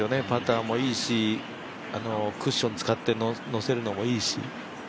パターもいいしクッション使って乗せるのもいいし。